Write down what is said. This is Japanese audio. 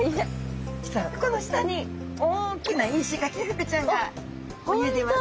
実はここの下に大きなイシガキフグちゃんが見えてます。